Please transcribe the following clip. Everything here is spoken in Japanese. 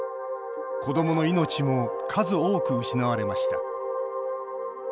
子どもの命も数多く失われました。